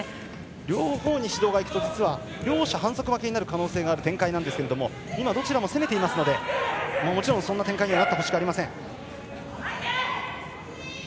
両方に指導が行くと実は両者、反則負けになる可能性がある展開ですが今どちらも攻めていますのでもちろんそんな展開にはなってほしくありません。